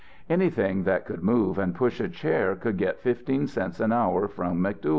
"Anything that could move and push a chair could get fifteen cents an hour from McDuyal.